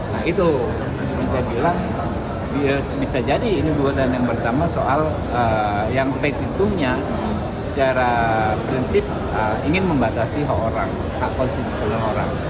nah itu bisa jadi ini buatan yang pertama soal yang pentingnya secara prinsip ingin membatasi hak orang hak konstitusi orang